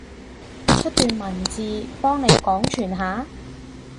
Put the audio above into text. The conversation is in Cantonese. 出段文字，幫你廣傳下？